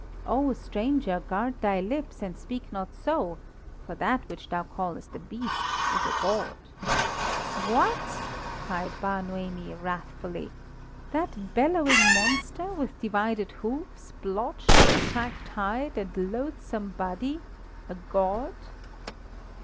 "Oh, stranger, guard thy lips, and speak not so, for that which thou callest a beast is a god!" "What!" cried Bar Noemi, wrathfully, "that bellowing monster, with divided hoofs, blotched and cracked hide and loathsome body, a god!"